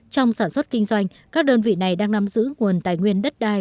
trong sản xuất kinh doanh các đơn vị này đang nắm giữ nguồn tài nguyên đất đai